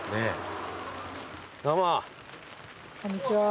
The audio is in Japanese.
こんにちは。